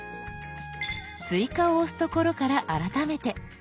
「追加」を押すところから改めて。